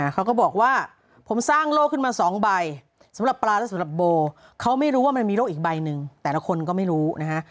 เขาก็บอกว่าผมสร้างโรคขึ้นมา๒ใบสำหรับปลาและสำหรับโบเขาไม่รู้ว่ามันมีโรคอีกใบหนึ่งแต่ละคนก็ไม่รู้นะฮะ